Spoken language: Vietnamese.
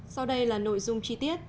sau đây là nội dung chi tiết